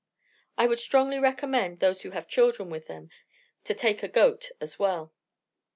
I would strongly recommend those who have children with them to take a goat as well.